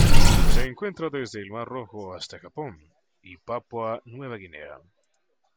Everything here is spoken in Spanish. Se encuentra desde el mar Rojo hasta Japón y Papúa Nueva Guinea.